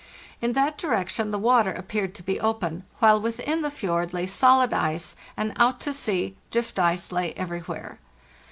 In that direction the water appeared to be open, while within the fjord lay solid ice, and out to sea drift ice lay everywhere.